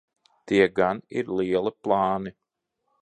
Tie gan ir lieli plāni.